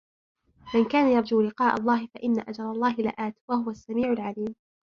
مَنْ كَانَ يَرْجُو لِقَاءَ اللَّهِ فَإِنَّ أَجَلَ اللَّهِ لَآتٍ وَهُوَ السَّمِيعُ الْعَلِيمُ